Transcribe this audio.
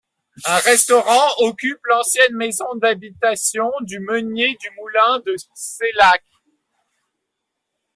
Un restaurant occupe l'ancienne maison d'habitation du meunier du moulin de Célac.